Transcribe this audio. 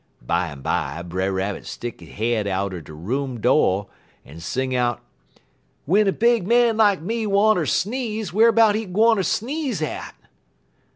Bimeby, Brer Rabbit stick he head outer he room do', en sing out: "'Wen a big man like me wanter sneeze, wharbouts he gwine ter sneeze at?'